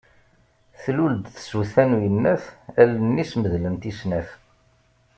Tlul-d tsuta n uyennat, allen-is medlent i snat.